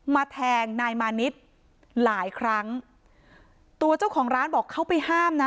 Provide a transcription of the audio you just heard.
แทงนายมานิดหลายครั้งตัวเจ้าของร้านบอกเขาไปห้ามนะ